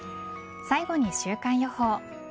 最後に週間予報。